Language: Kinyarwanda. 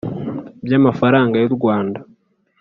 by amafaranga y u Rwanda